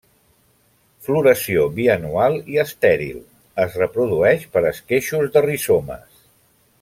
Floració bianual i estèril, es reprodueix per esqueixos de rizomes.